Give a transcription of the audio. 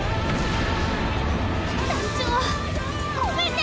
団長ごめんね。